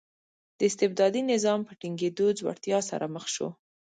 د استبدادي نظام په ټینګېدو ځوړتیا سره مخ شو.